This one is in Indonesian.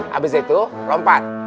habis itu lompat